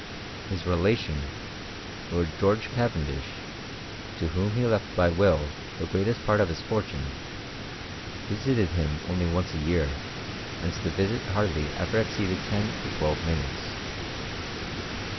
His relation, Lord George Ca vendish, to whom he left by will the greatest part of his fortune, visited him only once a year, and the visit hardly ever exceeded ten or twelve minutes.